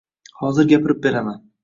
Hozir gapirib beraman.